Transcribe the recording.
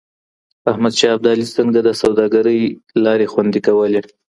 احمد شاه ابدالي څنګه د سوداګرۍ لارې خوندي کولې؟